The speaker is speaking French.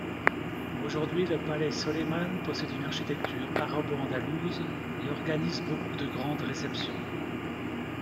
Aujourd'hui le Palais Soleiman possède une architecture arabo-andalouse, et organise beaucoup de grandes réceptions.